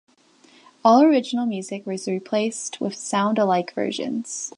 All original music was replaced with sound-alike versions.